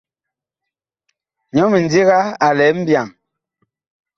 Nyɔ mindiga a lɛ mbyaŋ.